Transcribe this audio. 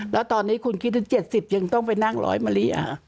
แล้วตอนนี้คุณคิดถึง๗๐ยังต้องไปนั่งร้อยมะลิ